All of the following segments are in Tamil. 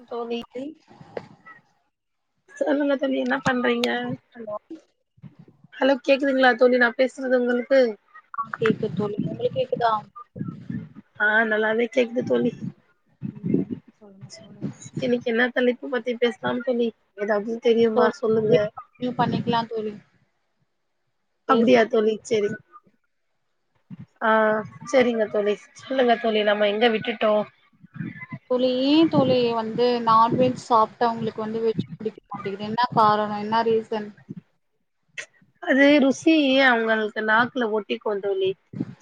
ம் தோழி வெய்ட் சொல்லுங்க தோழி என்ன பண்றீங்க? ஹலோ ஹலோ கேக்குதுங்ளா? தோழி நா பேசுறது உங்ளுக்கு ஆ கேக்குது தோழி. உங்களுக் கேக்குதா? ஆ நல்லாவே கேக்குது தோழி ம் சொல்லுங்க இன்னைக்கு என்ன தலைப்பு பத்தி பேசலாம் தோழி எதாவது தெரிமா சொல்லுங்க. இது பண்ணிக்கலாந் தோழி அப்டியா பேசின தோழி செரி ஆ செரிங்க தோழி சொல்லுங்க தோழி நம்ம எங்க விட்டுட்டோ? தோழி ஏன் தோழி வந்து நான்வெஜ் சாப்ட்டவங்களுக்கு வந்து வெஜ் புடிக்க மாட்டீகுது என்ன கார் என்னா ரீசன் அது ருசி அவுங்களுக்கு நாக்குல ஒட்டிக்கூந் தோழி.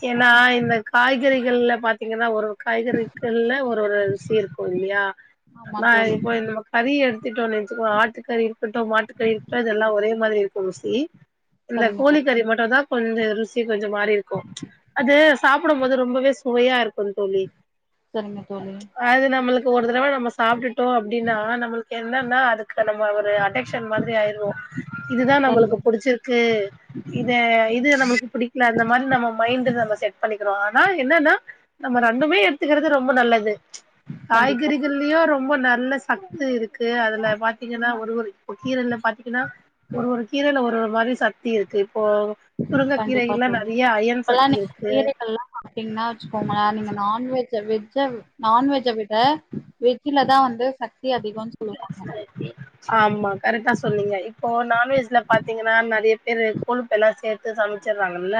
ஏனா இந்த காய்கறிகள்ல பாத்தீங்கன்னா ஒரு ஒரு காய்கறிகள்ல ஒரு ஒரு ருசி இருக்கு இல்லயா ஆமா நா தோழி இப்போ நம்ம கறி எடுத்துட்டோ வெச்சுக்கோ ஆட்டு கறி எடுத்துட்டோ மாட்டுக்கறி எடுத்துட்டோ இதெல்லா ஒரே மாரி இருக்கு ருசி இந்த சரிங்க தோழி கோழிக்கறி மட்டுதா கொஞ்சோ ருசி கொஞ்சோ மாறி இருக்கு அது சாப்டும்போது ரொம்பவே சுவையா இரு க்கும் தோழி சரிங்க தோழி அது நம்மளுக்கு ஒரு தடவ நம்ம சாப்ட்டுட்டோ அப்டினா நம்மளுக்கு என்னனா அதுக்கு நம்ம ஒரு அடிக் மாதிரி ஆயிருவோ இதுதா நம்மளுக்கு சரிங்க தோழி புடிச்சிரு க்கு இத இது நம்மளுக்கு புடிக்ல அந்த மாரி நம்ம மைண்ட் டு நம்ம செட் பண்ணிக்கிறோ ஆனா என்னனா நம்ம ரெண்டுமே எடுத்துக்கறது ரொம்ப நல்லது கண்டிப்பா காய்கறிகள்லியு ரொம்ப நல்ல சத்து இருக்கு அதுல பாத்தீங்கன்னா ஒ ரு இப்ப கீரைல பாத்தீனா ஒரு ஒரு கீரைல ஒரு ஒரு மாரி சக்தி இருக்கு இப்போ முருங்க கண்டிப்பா கீரைகள்ல தோழி நெறயா அயன் இப்பல்லா சக்தி நீங்க இருக்கு நான்வெஜ் வெஜ்ஜ நான்வெஜ்ஜ விட வெஜ்லதா வந்து ச ஆமா கரெக்டா சொன்னீங்க இப்போ நான்வெஜ்ல பாத்தீங்கன்னா நெறைய பேரு கொலுப்பல்லா சேத்து சமை ச்சுட்றாங்கல்ல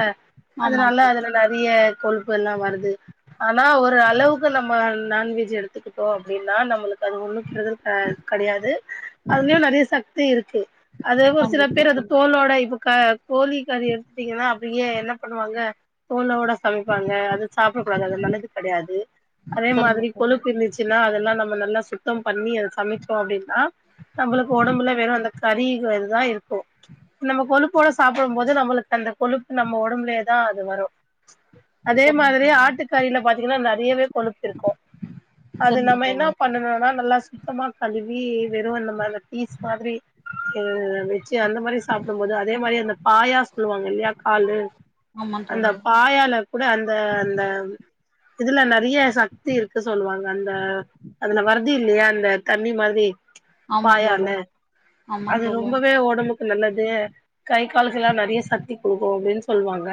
ஆமா அதனால தோழி அதுல நெறைய கொழுப்புல்லா வருது ஆனா ஒரு அளவுக்கு நம்ம நான்வெஜ் எடுத்துக்கிட்டோ அப்டின்னா நம்மளுக்கு அது ஒண்ணு பெரு ஆ கடையாது அதுலயு நறைய சக்தி இருக்கு அது ஒரு சில கண்டிப்பா பேர் அது தோழி தோலோட இப்ப க கோழி கரி எடுத்துட்டீங்கன்னா அப்டியே என்ன பண்ணுவாங்க தோளோட சமைப்பாங்க அது சாப்பிட கூடாது அதுல்லா நல்லது கெடையாது அதே சரிங்க மாதிரி தோழி கொழுப்பு இருந்துச்சுன்னா அதெல்லா நம்ம நல்லா சுத் தம் பண்ணி அத சமைச்சோ அப்டின்னா நம்மளுக்கு ஒடம்புல வெறு அந்த கரிங்ரதுதா இருக்கு நம்ம கொழுப்போட சாப்டும் போது நம்மளுக்கு அந்த கொழுப்பு நம்ம ஒடம்புலயே தா அது வரு அதே சரிங்க தோழி மாதிரியே ஆட்டுக்கறில பாத்தீங்கன்னா நர் றயவே கொழுப்பு இருக்கும் அது சரிங்க நம்ம என்ன தோழி பண்ணனுனா நல்லா சுத் வி வெறு அந்த மாரி அந்த பீஸ் மாதிரி அந்த மாரி சாப்டும் போது அதே மாரி அந்த பாயா சொல்லுவாங்க இல்லயா காலு ஆமா அந்த தோழி பாயால கூட அந்த அந்த இதுல நறய சக்தி இருக்கு சொல்வாங்க அந்த அதுல வர இல்லயா அந்த தண்ணி மாதிரி ஆமா பாயால தோழி ஆமா அது தோழி ரொம்பவே ஒடம்புக் நல்லது கை கால்குல்லா நறய சக்தி கொடுக்கு அப்டின்னு சொல்வாங்க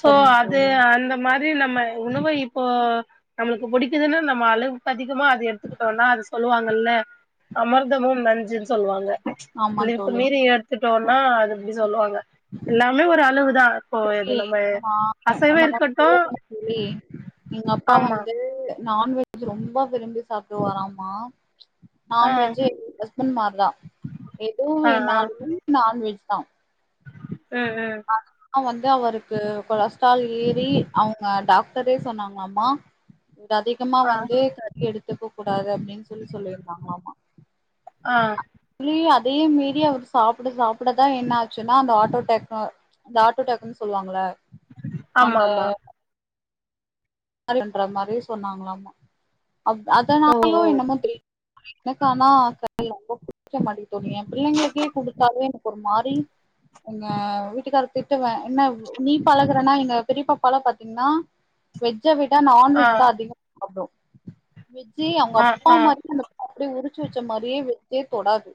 சோ சரிங்க அது தோழி அந்த மாரி நம்ம உணவு இப்போ நம்மளுக்கு பிடிக்குதுன்னு நம்ம அளவுக்கு அதிகமா அத எடுத்துக்கிட்டோனா அது லுவாங்கல்ல அமிர்தமு நஞ்சுனு சொல்லுவாங்க ஆமா அளவுக்கு தோழி மீறி எடுத்துட் டோனா அது அப்டி சொல்லுவாங்க எல்லாமே ஒரு அளவுதா இப்போ இது தோழி நம்ம நா அசைவோ இருக்கட்டு சொல்லட்டுமா [unintelligible] எங்க அப்பா ஆமா வந்து நான்வெஜ் ரொம்ப விரும்பி சாப்டுவாராமா ஆ நான்வெஜ் எங்க ஹஸ்பண்ட் மார்தா ஆ ஆ ஏதுவெனாலுமே நான்வெஜ்தா ம் ம் வந்து அவருக்கு கொலஸ்ட்ரால் ஏறி அவங்க டாக்டரே சொன்னாங்களாமா இது அதிகமா ஆ வந்து கறி எடுத்துக்க கூடாது அப்படின் சொல்லி சொல்லியிருந்தாங்கலாமா ஆ அதேயு மீரி அவர் சாப்பிட சாப்பிடதா என்ன ஆச்சுன்னா அந்த ஆட்டோ டெக்னோ இந்த ஆட்டோ டேக்குன் சொல்லுவாங்கள ஆமா அந்த ஆமா ன்ற மாரி சொன்னாங்களாமா ஓ அதனாலயோ ஓ என்னமோ தெரியல எனக்கு ஆனா ர பிடிக்க மாட்டிகிது என் பிள்ளைங்களுக்கே குடுத்தாலே எனக்கு ஒரு மாரி எங்க வீட்டுக்கார திட்டவே என்ன நீ பழகுறனா எங்க பெரிய பாப்பாலா பாத்தீங்கன்னா வெஜ்ஜ விட ஆ நான்வெஜ்தா அதிகமா சாப்டு விஜ்ஜி அவங்க ஆ அப்பா ஆ மாரி அந்த அப்படியே உரிச்சு வச்ச மாரியே தொடாது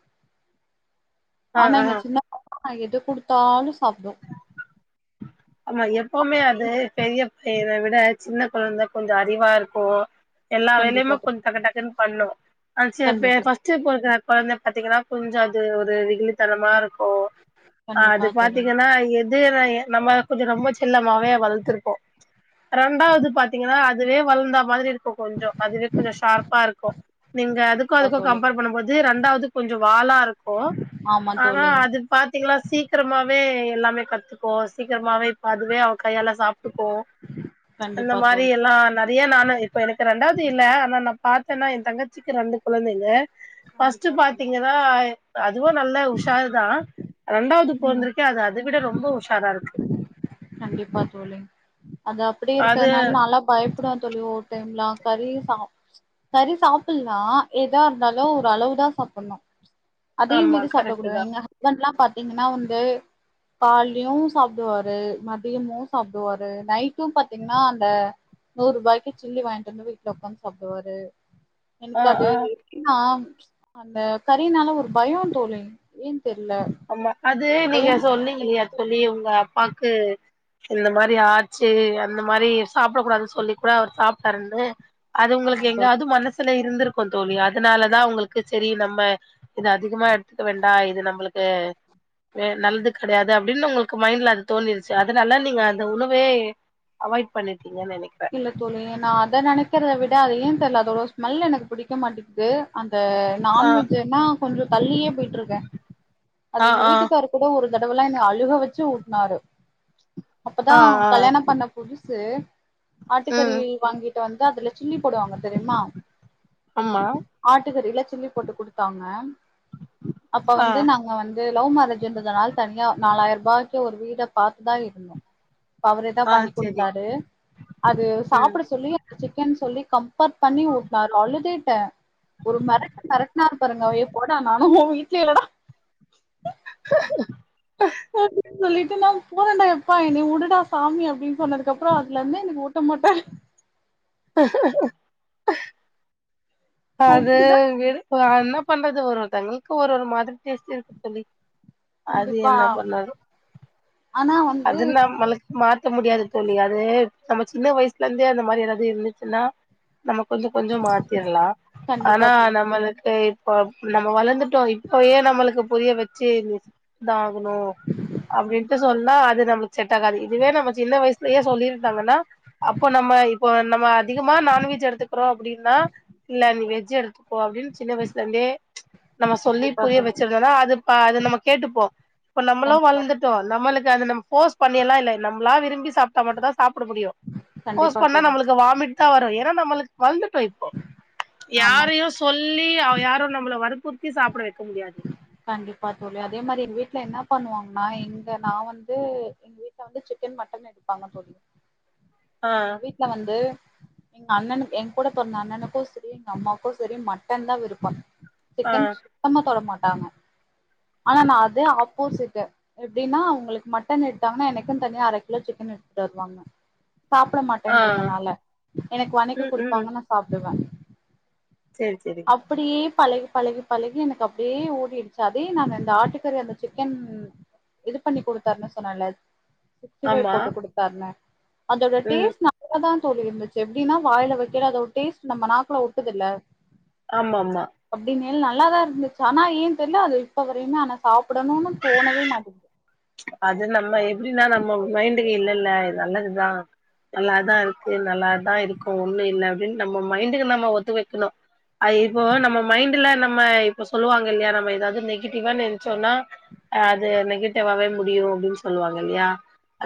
ஆ ஆனா ஆ எங்க சின்ன பாப்பா ஆ எது குடுத்தாலு சாப்டு ஆமா எப்பவுமே அது பெரிய பையன விட சின்ன கொழந்த கொஞ்சோ அறிவா இருக்கு எல்லா கண்டிப்பா வேலையுமே தோ கொஞ்சோ டக்க டக்கன்னு பண்ணு ஆ செரி கண்டிப்பா ஃபஷ்ட் பொறக்கற கோழந்த பாத்தீங்கன்னா கொஞ்ச அது ஒரு வெகுழுித்தனமா இருக் ஓ கண்டிப்பா அது தோழி பாத்தீங்கன்னா எது நம்ம கொஞ்ச ரொம்ப செல்லமாவே வளர்த்திருப்போ ரெண்டாவது பாத்தீங்கன்னா அதுவே வளர்ந்த மாதிரி இரு க்கு கொஞ்சோ அதுவே கொஞ்ச ஷார்ப்பா இருக்கு நீங்க அதுக்கு கண்டிப்பா அதுக்க தோழி கம்பேர் பண்ணு போது ரெண்டு டாவது கொஞ்சோ வாலா இருக்கு ஆமா ஆனா தோழி அது பாத்தீங்கன்னா சீக்கிரமாவே மே எல்லாமே கத்துக்கு சீக்கிரமாவே இப்ப அதுவே அவ கையால சாப் ட்டுக்கு அந்த கண்டிப்பா மாரி தோழி எல்லா ந றைய நானு இப்ப எனக்கு ரெண்டாவது இல்ல ஆனா நா பாத்தன்னா என் தங்கச்சிக்கு ரெண்டு குழந்தைங்க பஸ்ட் கண்டிப்பா தோழி பாத்தீங்கன்னா அதுவு நல்ல உஷார் தா ரெண்டாவது ம் பொண்ணிருக்கே அது அத விட ரொம்ப உஷாரா இருக்கு கண்டிப்பா தோழி அது அப்டி அது இருக்கனால நால்லா பயப்படுவ தோழி ஓவ்வரு டைம் கறி சாப் கறி சாப்பலா ஏதா இருந்தாலு ஒரு அளவு தா சாப்பணு அதே ஆமா மீறி சாப்ட கரெக்ட்டு கூடாது தா எங்க ஹஸ்பண்ட்லா பாத் த்தீங்கன்னா வந்து காலையு சாப்புடுவாரு மதியமு சாப்புடுவாரு நைட்டு பாத்தீங்கன்னா அந்த நூரூபாய்க்கு சில்லி வாங்கிட்டு வந்து வீட்டுல உக்காந்து சாப்புடுவாரு ஆ எனக்கு அது ஆ எப்டினா அந்த கறினால ஒரு பயோ தோழி ஏ ஆமா அது நீங்க சொன்னீங்க இல்லையா தோழி உங்க அப்பாக்கு இந்த மாரி ஆச்சு அந்த மாரி சாப்பட கூடாதுன்னு சொல்லி கூட அவர் சாப்ட்டாருன்னு அது ஆமா உங்களுக்கு தோழி எங்காவது மனசுல இருந்திருக்கு தோழி அதனாலதா உங்களுக்கு சரி நம்ம இது அதிகமா எடுத்துக்க வேண்டா இது நம்மளுக்கு வே நல்லது கெடயாது அப்டின்னு உங்களுக்கு மைண்ட்ல அது தோணிருச்சு அதனால நீங்க அந்த உணவே அவாய்ட் பண்ணி இல்ல தோழி நா அத நெனக்கிறத விட அத ஏ தெரியல அதோட ஸ்மெல் எனக்கு பிடிக்க மாட்டேக்குது த ஆ நான்வெஜ்ன்னா கொஞ்ச தள்ளியே போயிட்ருக்கே அது ஆ எங்க ஆ வீட்டுக்காரு கூட ஒரு தடவெல்லா என்ன அழுக வச்சு ஊட்னாரு அப்பதா ஆ ஆ கல்யாண பண்ண புதுசு சு ஆட்டுக்கறி ம் வாங்கிட்டு வந்து அதுல சில்லி போடுவாங்க தெரியுமா ஆமா ஆட்டுக்கறில சில்லி போட்டு குடுத்தாங்க அப்ப ஆ வந்து நாங்க வந்து லவ் மேரேஜ்ன்றதுனால தனியா நாலாயிர பாக்கு ஒரு வீட பாத்துதா இருந்தோ அப்ப அவருதா ஆ பண்ணி செரி குடுத்தாரு அது ம் சாப்பட சொல்லி அந்த சிக்கன் சொல்லி கம்பேர் பண்ணி ஊட்டுனாரு அழுதுட்டே ஒரு மெரட்டு மெரட்டுனாரு பாருங்க ஐயோ போடா நானா ஓ வீட்லய இல்லடா [inaudible] சொல்லி னாலு போறண்டா எப்பா என்ன உடுடா சாமி அப்டின்னு சொன்னதுக்கு அப்றோ அதுலருந்து எனக்கு ஊட்ட மாட்டாரு அத அப்டிதா விடு சோ என்ன பண்றது ஒரு ஒருதவங்களுக்கு ஒரு ஒரு மாரி டேஸ்ட் இருக்கு தோழி அது கண்டிப்பா என்னா பண்ணாது ஆனா வந்து அது நம்மளுக் மாத்த முடியாது தோழி அது நம்ம சின்ன வயசுல இருந்தே அந்த மாரி ஏதாவது இருந்துச்சுன்னா நம்ம கொஞ்ச கொஞ்ச மாத்திர்லா கண்டிப்பா ஆனா தோழி நம்மளுக்கு இப்ப நம்ம வளந்து டோ இப்ப ஏ நம்மளுக்கு புரிய வச்சு என்ன ஆகணு அப்டின்ட்டு சொன்னா அது நம்மளுக்கு செட்டாகாது இதுவே நம்ம சின்ன வயசுலயே சொல்லிருந்தாங்கன்னா அப்போ நம்ம இப்போ நம்ம அதிகமா நான்வெஜ் எடுத்துக்கிறோ அப்டின்னா இல்ல நீ வெஜ் எடுத்துக்கோ அப்படின்னு சின்ன வயசுலே இருந்தே நம்ம சொல்லி கண்டிப்பா புரிய தோழி வச்சிருந்தோம்னா அது இப்பா அது நம்ம கேட்டுப்போ இப்ப நம்மளு கண்டிப்பா வளந்துட்டோ நம்மளுக் கு அது நம்ம போர்ஸ் பண்ணியெல்லா இல்ல நம்மளா விரும்பி சாப்ட்டா மட்டுந்தா சாப்பட முடியு போர்ஸ் கண்டிப்பா பண்ணா தோழி நம்மளுக்கு வாமிட் தா வரு ஏன்னா நம்மளுக்கு வந்து ஆமா யாரையு சொல்லி அவ யாரு நம்மள வற் குத்தி சாப்பட வைக்க முடியாது கண்டிப்பா தோழி அதே மாரி எங்க வீட்ல என்ன பண்ணுவாங்கன்னா எங்க நா வந்து எங்க வீட்டு வந்து சிக்கன் மட்டன் எடுப்பாங்கன்னு தோழி ஆ எங்க வீட்ல வந்து எங்க அண்ணனுக்கு ஏ கூட பொறந்த அண்ணனுக்கு சரி எங்க அம்மாவுக்கு சரி மட்டன் தா விருப்போ ஆ சிக்கன் சுத்தமா தொட மாட்டாங்க ஆனா நா அதே ஆப்போசிட்டு எப்படின்னா அவங்களுக்கு மட்டன் எடுத்தாங்கன்னா எனக்குனு தனியா அர கிலோ சிக்கன் எடுத்துட்டு வருவாங்க சாப்புட ஆ மாட்டேன்றதுனால எனக்கு வணக்கி ம் ம் குடுப்பாங்க நா சாப்டுவே சேரி சேரி அப்படியே பழகி பழகி பழகி எனக்கு அப்படியே ஓடிடுச்சி அதே நானு இந்த ஆட்டுக்கறி அந்த சிக்கன் இது பண்ணி குடுத்தாருன்னு சொன்னல சிக்டிபைவ் ஆமா போட்டு குடுத்தாருன்னா அதோட ம் டேஸ்ட் நல்ல தா தோழி இருந்துச்சு எப்படின்னா வாயில வைக்கயில அதோட டேஸ்ட் நம்ம நாக்கல ஒட்டுதுல ஆமா ஆமா அப்டின்மேல் நல்லாதா இருந்துச்சு ஆனா ஏன்னு தெரில அது இப்ப வரையுமே ஆனா சாப்படணும்னு தோணவே மாட்டது அது நம்ம எப்படின்னா நம்ம மைண்டுக்கு இல்லல்ல இது நல்லதுதா நல்லாதா இருக்கு நல்லாதா இருக்கு ஒண்ணு இல்ல அப்படின்னு நம்ம மைண்டுக்கு நம்ம ஒத்து வைக்கணு ஐ இப்போ நம்ம மைண்ட்ல நம்ம இப்ப சொல்லுவாங்க இல்லையா நம்ம ஏதாவது நெகிட்டிவா நெனச்சோன்னா அ அது நெகட்டிவாவவே முடியு அப்டின்னு சொல்லுவாங்க இல்லையா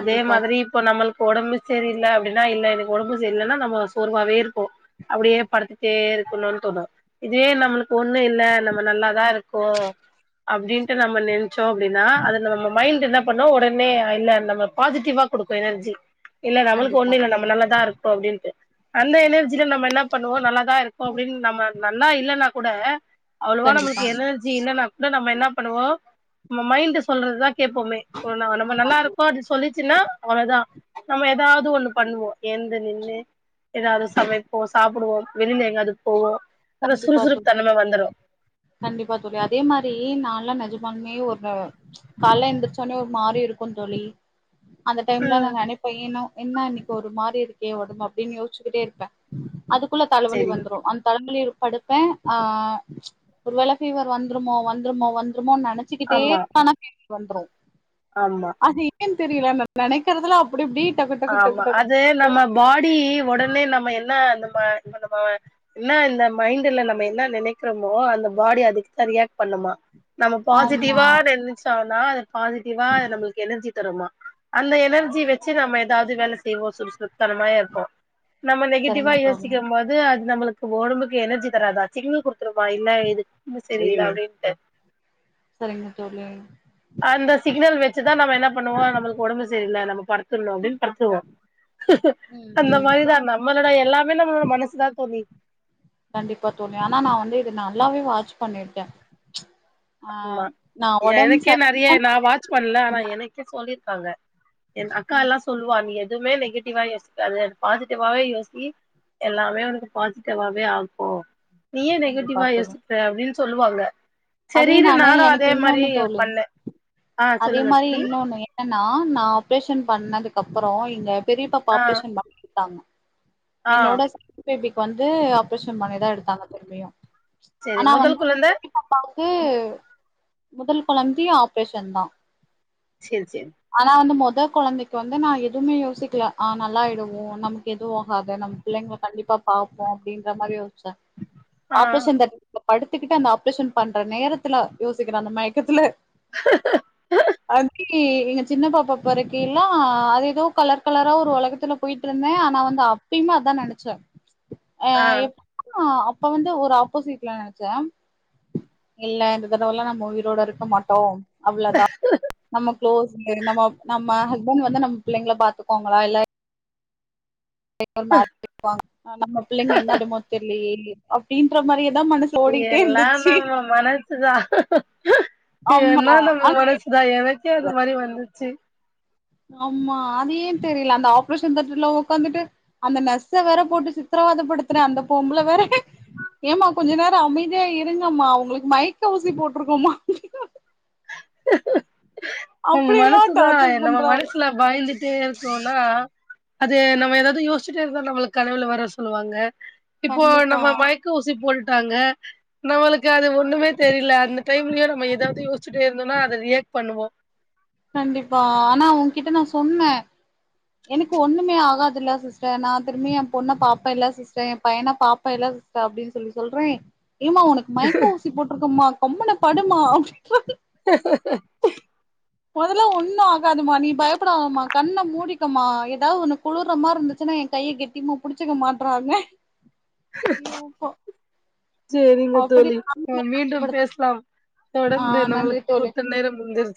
அதே மாதிரி இப்ப நம்மள் ஒடம்பு சரி இல்ல அப்படின்னா இல்ல எனக்கு ஒடம்பு சரி இல்லைன்னா நம்ம சோர்வாவே இருப்போ அப்படியே படுத்துட்டே இருக்கணும்னு தோணு இதுவே நம்மளுக்கு ஒண்ணு இல்ல நம்ம நல்லாதா இருக்கோ அப்படின்ட்டு நம்ம நெனச்சோ அப்படின்னா அது நம்ம நம்ம மைண்ட்டு என்ன பண்ணு ஒடனே இல்ல நம்ம பாசிட்டிவா குடுக்கும் எனர்ஜி இல்ல நம்மளுக்கு கண்டிப்பா ஒண்ணுல்ல நம்ம நல்லதா இருக்கோ அப்டின்ட்டு அந்த எனர்ஜில நம்ம என்ன பண்ணுவோ நல்லாதா இருக்கோ அப்படின்னு நம்ம நல்லா இல்லன்னா கூட அவ்வளோவா நம்மளுக்கு கண்டிப்பா எனர்ஜி இல்லன்னா கூட நம்ம என்னா பண்ணுவோ நம்ம மைண்ட்டு சொல்றதுதா கேப்போமே இப்போ நம்ம ஆமா தோழி நல்லாருக்கோ அது சொல்லிச்சுன்னா அவளதா நம்ம ஏதாவது ஒண்ணு பண்ணுவோ எழுந்து நின்னு ஏதாவது சமைப்போ சாப்புடுவோ வெளில எங்காது போவோ அந்த கண்டிப்பா சுறுசுறுப்பு தோழி தன்ம வந்துரு கண்டிப்பா தோழி அதே மாரி நான்ல்லா நெஜ மாலுமே ஒரு கால்லே எந்திரச்சோன்னே ஒரு மாரி இருக்கு தோழி அந்த டைம்ல நா ம் நெனப்பே ஏனு என்னா இன்னைக்கு ஒரு மாரி இருக்கே ஒடம்பு அப்படின்னு யோசிச்சுக்கிட்டே இருப்பே அதுக்குள்ள தலைவலி சரி வந்துரு அந்த [unintelligible] படுப்பே ஆ ஒரு வேல பீவர் வந்துருமோ வந்துருமோ வந்து வந்துருமோனு நெனச்சிக்கிட்டே ஆமா இருப்ப ஆனா பீவர் வந்துரு ஆமா அது ஏன்னு தெரியல நா நெனைக்கறதுலா அப்டி இப்டி டக்கு டக்கு ஆமா டக்கு டக்கு அது நம்ம பாடி ஒடனே நம்ம என் னா இந்த ம இந்த நம்ம மைண்ட்ல நம்ம என்ன நெனைக்கிறோமோ அந்த பாடி அதுக்குதா ரியாக்ட் பண்ணும்மா நம்ம ஆமா பாசிட்டிவா நெனச்சோனா அது பாசிட்டிவா நம்மளுக்கு எனர்ஜி தரும்மா அந்த எனர்ஜி வச்சு நம்ம ஏதாவது வேல செய்வோ சுறுசுறுத் தனமாவே இருப்போ நம்ம நெகட்டிவா சரிங்க தோழி யோசிக்கறம் போது அது நம்மளுக்கு ஒடம்புக்கு எனர்ஜி தராதா சிக்னல் குடுத்துருமா இல்ல இதுக்கு சரி இல்ல அப்டின்டடு சரிங்க தோழி அந்த சிக்னல் வச்சுதா நம்ம என்ன பண்ணுவோ நமக்கு ஒடம்பு சரியில்ல நம்ம படுத்துணு அப்படின்னு படுத்துருவோ ம் அந்த ம் மாரிதா நம்மளோட எல்லாமே நம்மளோட மனசுதா தோழி கண்டிப்பா தோழி ஆனா நா வந்து இதது நல்லாவே வாட்ச் பண்ணிட்டே ஆமா எனக்கே நெறையா நா வாட்ச் பண்ணல ஆனா சரியில்ல எனக்கே சொல்லிருக்காங்க என் அக்கா ம் எல்லா சொல்லுவா நீ எதுவுமே நெகட்டிவா யோசிக்காது பாசிட்டிவாவே யோசி எல்லாமே ஒனக்கு பாசிட்டிவாவே ஆக்கு நீ ஏ கண்டிப்பா நெகட்டிவா தோழி யோக்குற அப்டின்னு சொல்லுவாங்க சரி அதே இரு நானு எனக்கு அதே மாரி இன்னொன்னு தோழி பண்ணே ஆ அதே சொல்லுங்க மாரி தோழி இன்னொண்ணு ஏன்னா நா ஆபரேஷன் பண்ணதுக்கு அப்பறோ நீங்க பெரியப்பா ஆ ஆப்ரேஷன் பங்கட்டாங்க ஆ என்னோட செகண்ட் பேபிக்கு வந்து ஆப்ரேஷன் பண்ணிதா எடுத்தாங்க திரும்பியு சரி ஆனா முதல் வந்து குழந்த [unintelligible] து முதல் கொழந்தயு ஆப்ரேஷன் தா சரி சரி ஆனா வந்து மொ த கொழந்தைக்கு வந்து நா எதுவுமே யோசிக்கல் ஆ நல்லாய்டுவோ நமக்கு எதுவு ஆகாது நம்ம பிள்ளைங்க கண்டிப்பா பாப்போ அப்படின்ற மாரி யோசிச்சே ஆ ஆப்ரேஷன் த படுத்துக்கிட்டு அந்த ஆப்ரேஷன் பண்ற நேரத்துல யோசிக்கிறே அந்த மயக்கத்துல அந் கி எங்க சின்ன பாப்பா பொறக்கயில்ல அது ஏதோ கலர் கலரா ஒரு ஒலகத்துல போயிட்டு இருந்தே ஆனா வந்து அப்பயுமே அதா நெனைச்சே அ ஆ எப்னா அப்ப வந்து ஒரு ஆப்போசிட்ல நெனைச்சே இல்ல இந்த தடவெல்லா நம்ம உயிரோட இருக்க மாட்டோ அவ்ளோதா நம்ம குளோஸ்ட்டு நம்ம நம்ம ஸ்பண்ட் வந்து நம்ம புள்ளைங்கள பாத்துப்பாங்களா இல்ல [inaudible] ஒரு மார்கிர்க் வாங்குனா நம்ம புள்ளைங்க என்ன அயிடுமோ தெரிலயே அப்டின்ற மாரியே இயெல்லா நம்ம மனசுதா இது ஆமா எல்லா நம்ம ஆனா மனசுதா எனக்கே அந்த மாரி வந்துச்சு ஆமா அது ஏன் தெரியல அந்த ஆப்ரேஷன் தேட்டர்ல உக்காந்துட்டு அந்த நர்ஸ வேற போட்டு சித்திர விவாதப்படுத்துறே அந்த பொம்புல வேற ஏமா கொஞ்ச நேரோ அமைதியா இருங்கம்மா உங்களுக்கு மைக் ஊசி போட்டுருக்கோமா ஹ நம்ம மனசுதா டார்ச்சர் நம்ம பண்றாரு மனசுல பாய்ந்துட்டே இருக்கோனா அது நம்ம ஏதாவது யோசிச்சிட்டே இருந்தா நம்ளுக்கு கனவுல வரு சொல்லுவாங்க இப்போ கண்டிப்பா நம்ம மயக்க ஊசி போட்டுட்டாங்க நம்மளுக் இது அது ஒண்ணமே தெரில அந்த டைம்லயோ நம்ம ஏதாவது யோசிச்சுட்டே இருந்தோம்னா அத ரியாக்ட் பண்ணுவோ கண்டிப்பா ஆனா அவுங்கிட்ட நா சொன்னே எனக்கு ஒண்ணுமே ஆகாதுல்ல சிஸ்டர் நா திரும்பி என் பொண்ண பாப்பெல்ல சிஸ்டர் என் பையன பாப்பெல்ல அப்டின்னு சொல்லி சொல்றே ஏமா உனக்கு மயக்க ஊசி போட்ருக்கோமா கம்முன்னு படும்மா அப்டின்றாங்க ஹ மொதல்ல ஒண்ணு ஆகாதுமா நீ பயப்படாதமா கண்ண மூடிக்கமா ஏதாவது ஒன்னு குளுர்ற மாரி இருந்துச்சுன் னா ஏங் கைய கெட்டிமா புடிச்சிக்க மாட்டறாங்க ஐயோ ப்பா சேரிங்க தோழி நம்ம மீண்டும் பேஸ்லாம் ஆ தொடர்ந்து நன்றி நம்மளுக் தோழி குடுத்த நேரம் முடிஞ்